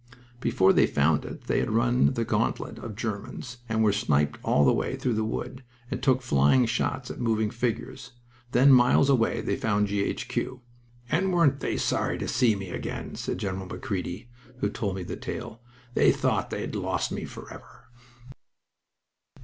Before they found it they had to run the gantlet of Germans, and were sniped all the way through a wood, and took flying shots at moving figures. Then, miles away, they found G.H.Q. "And weren't they sorry to see me again!" said General Macready, who told me the tale. "They thought they had lost me forever."